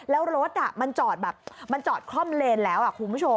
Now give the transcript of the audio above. แล้วรถมันจอดคล่อมเลนแล้วคุณผู้ชม